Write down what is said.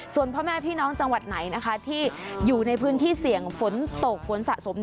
ส่วนพ่อแม่พี่น้องจังหวัดไหนนะคะที่อยู่ในพื้นที่เสี่ยงฝนตกฝนสะสม